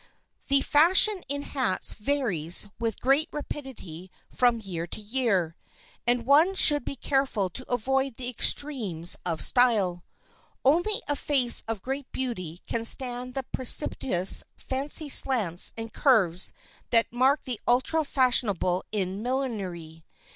The fashion in hats varies with great rapidity from year to year, and one should be careful to avoid the extremes of style. Only a face of great beauty can stand the precipitous, fantastic slants and curves that mark the ultra fashionable in millinery.